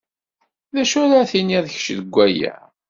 D acu ara tinid kecc deg waya?